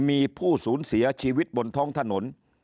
มีผู้สูญเสียชีวิตบนท้องถนน